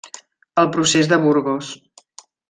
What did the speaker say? El procés de Burgos.